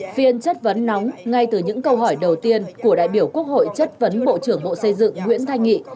phiên chất vấn nóng ngay từ những câu hỏi đầu tiên của đại biểu quốc hội chất vấn bộ trưởng bộ xây dựng nguyễn thanh nghị